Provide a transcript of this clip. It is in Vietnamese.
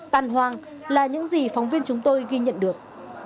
tàn hoang là những gì phóng viên chúng tôi ghi nhận được